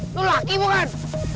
lu laki bukan